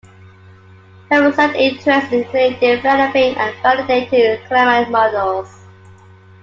Her research interests include developing and validating climate models.